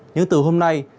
nhưng từ hôm nay